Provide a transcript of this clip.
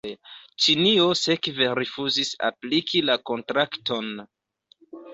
Ĉinio sekve rifuzis apliki la kontrakton.